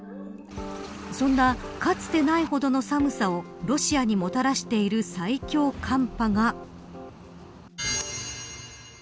そんな、かつてないほどの寒さをロシアにもたらしている最強寒波が。